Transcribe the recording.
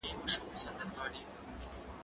زه بايد لاس پرېولم!؟